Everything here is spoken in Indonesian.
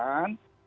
dan juga menjelaskan